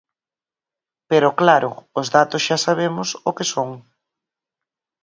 Pero, claro, os datos xa sabemos o que son.